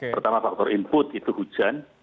pertama faktor input itu hujan